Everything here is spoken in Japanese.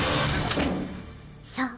そう。